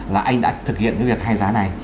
là anh đã thực hiện cái việc hai giá này